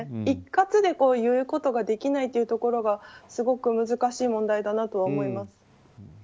一括で言うことができないというところがすごく難しい問題だなと思います。